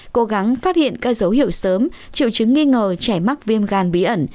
cố gắng phát hiện các dấu hiệu sớm triệu chứng nghi ngờ trẻ mắc viêm gan bí ẩn